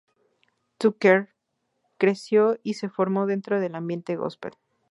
Tucker creció y se formó dentro del ambiente gospel.